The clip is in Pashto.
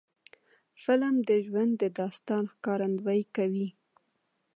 فلم د ژوند د داستان ښکارندویي کوي